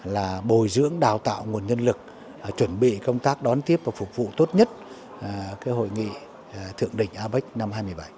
là bồi dưỡng đào tạo nguồn nhân lực chuẩn bị công tác đón tiếp và phục vụ tốt nhất cái hội nghị thượng đỉnh apec năm hai nghìn một mươi bảy